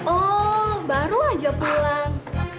oh baru aja pulang